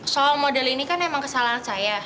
soal model ini kan emang kesalahan saya